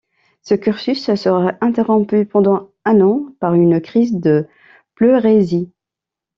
Ce cursus sera interrompu pendant un an par une crise de pleurésie.